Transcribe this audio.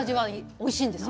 おいしいんですよ。